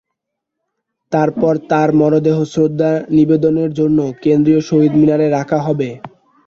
এরপর তাঁর মরদেহ শ্রদ্ধা নিবেদনের জন্য কেন্দ্রীয় শহীদ মিনারে রাখা হবে।